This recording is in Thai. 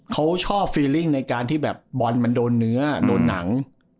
เขาชอบฟีลิ่งในการที่แบบบอลมันโดนเนื้อโดนหนัง